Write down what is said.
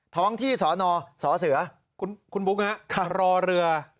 ท้องที่สระนอนสระเสือคุณปุ๊กนะเขารอเรือ